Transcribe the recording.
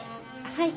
はい。